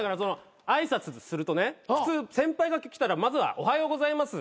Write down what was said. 挨拶するとね普通先輩が来たらまずは「おはようございます」